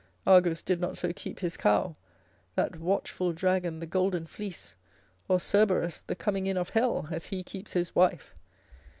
Argus did not so keep his cow, that watchful dragon the golden fleece, or Cerberus the coming in of hell, as he keeps his wife.